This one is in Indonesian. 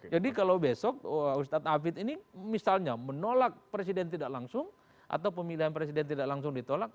jadi kalau besok ustadz afid ini misalnya menolak presiden tidak langsung atau pemilihan presiden tidak langsung ditolak